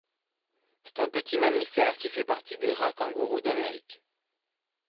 C'est un petit mammifère qui fait partie des rats-kangourous d'Amérique.